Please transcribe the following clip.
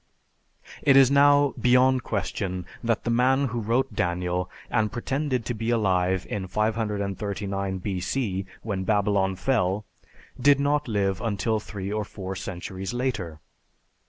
It is now beyond question that the man who wrote Daniel, and pretended to be alive in 539 B.C. (when Babylon fell), did not live until three or four centuries later.